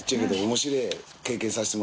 面白いね。